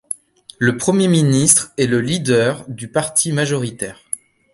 Le Premier ministre est le leader du parti majoritaire.